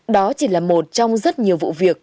đó chỉ là một trong rất nhiều vụ việc